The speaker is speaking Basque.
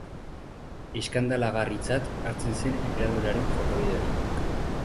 Eskandalagarritzat hartzen zen enperadorearen jokabide hori.